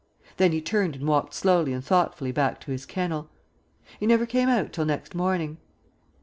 Then he turned and walked slowly and thoughtfully back to his kennel. He never came out till next morning."